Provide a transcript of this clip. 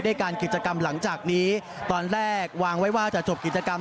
การกิจกรรมหลังจากนี้ตอนแรกวางไว้ว่าจะจบกิจกรรม